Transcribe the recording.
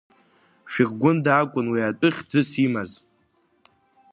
Шәыргәында акәын уи атәы хьӡыс имаз.